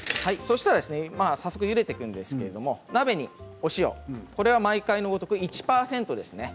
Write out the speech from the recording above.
ゆでていくんですけども鍋にお塩、毎回のごとく１％です。